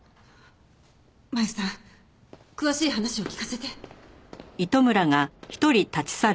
麻友さん詳しい話を聞かせて。